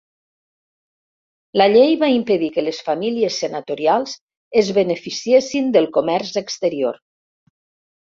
La llei va impedir que les famílies senatorials es beneficiessin del comerç exterior.